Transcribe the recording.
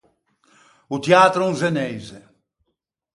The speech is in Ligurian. O tiatro in zeneise.